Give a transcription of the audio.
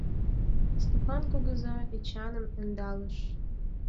Стопан кугыза Эчаным ӧндалеш.